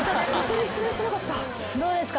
どうですか？